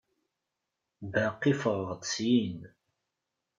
Baqi ffɣeɣ-d syin.